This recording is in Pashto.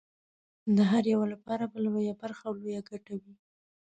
د هر یوه لپاره به لویه برخه او لویه ګټه وي.